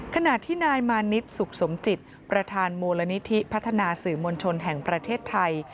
ขณะที่นายมานิดสุขสมจิตประธานมูลนิธิพัฒนาสื่อมวลชนแห่งประเทศไทย